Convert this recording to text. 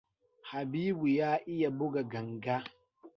Habibu ya iya buga ganga.